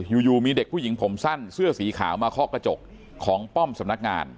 อยู่มีเด็กผู้หญิงผมสั้นเสื้อสีขาวมาเคาะกระจกของป้อมสำนักงาน